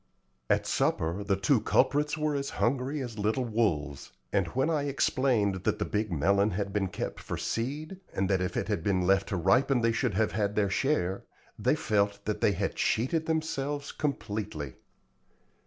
At supper the two culprits were as hungry as little wolves; and when I explained that the big melon had been kept for seed, and that if it had been left to ripen they should have had their share, they felt that they had cheated themselves completely.